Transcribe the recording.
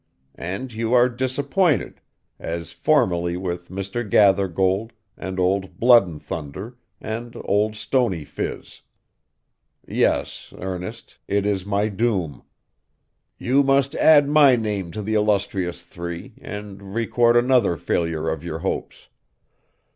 And you are disappointed, as formerly with Mr. Gathergold, and old Blood and Thunder, and Old Stony Phiz. Yes, Ernest, it is my doom. You must add my name to the illustrious three, and record another failure of your hopes.